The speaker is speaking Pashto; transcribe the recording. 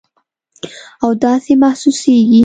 او داسې محسوسیږي